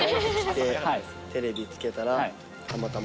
テレビつけたら、たまたま。